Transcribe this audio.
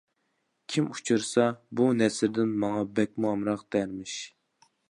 كىم ئۇچرىسا، «بۇ نەسىردىن ماڭا بەكمۇ ئامراق» دەرمىش.